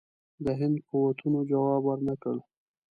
د هند قوتونو جواب ورنه کړ.